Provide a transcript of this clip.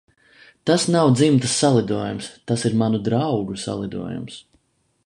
Tas nav dzimtas salidojums, tas ir manu draugu salidojums.